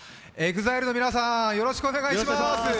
ＥＸＩＬＥの皆さん、よろしくお願いします。